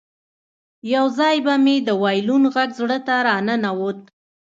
یو ځای به مې د وایلون غږ زړه ته راننوت